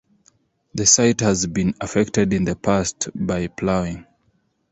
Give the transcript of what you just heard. The site has been affected in the past by ploughing.